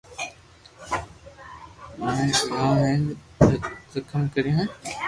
ھوئي گآو ھين ٿي زتم ڪريو ھي